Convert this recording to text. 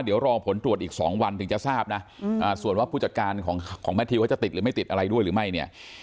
เดี๋ยวรอผลตรวจอีก๒วันถึงจะทราบนะส่วนว่าผู้จัดการของแมททิวเขาจะติดหรือไม่ติดอะไรด้วยหรือไม่เนี่ย